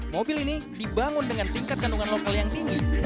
mobil ini dibangun dengan tingkat kandungan lokal yang tinggi